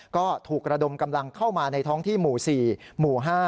ก็ถูกระดมกำลังเข้ามาในท้องที่หมู่๔หมู่๕